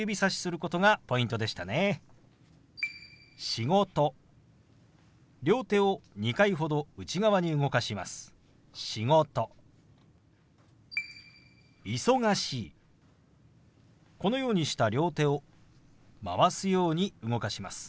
このようにした両手を回すように動かします。